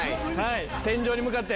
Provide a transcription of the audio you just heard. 天井に向かって。